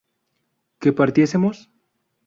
¿que partiésemos?